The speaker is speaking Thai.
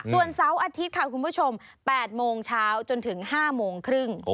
ส่วนเสาร์อาทิตย์ค่ะคุณผู้ชม๘โมงเช้าจนถึง๕โมงครึ่ง